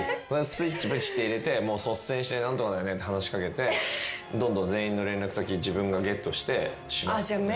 スイッチぶちって入れて率先して何とかだよねって話し掛けてどんどん全員の連絡先自分がゲットして。